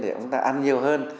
để chúng ta ăn nhiều hơn